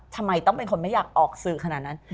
ทำไมต้องเป็นคนไม่อยากออกสื่อขนาดนั้น